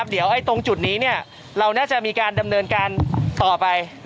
เดี๋ยวตรงจุดนี้เราน่าจะมีการดำเนินการต่อไป